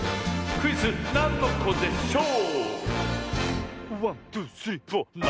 クイズ「なんのこでショー」。